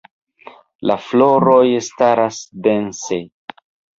La floroj staras dense.